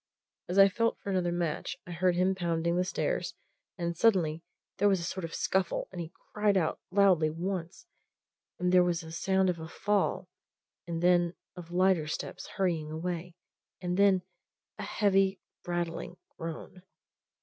As I felt for another match, I heard him pounding the stair and suddenly there was a sort of scuffle and he cried out loudly once, and there was the sound of a fall, and then of lighter steps hurrying away, and then a heavy, rattling groan.